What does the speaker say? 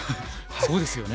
そうですね。